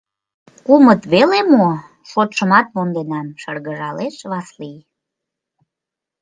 — Кумыт веле мо, шотшымат монденам, — шыргыжалеш Васлий.